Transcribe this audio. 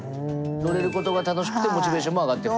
乗れることが楽しくてモチベーションも上がっていくと。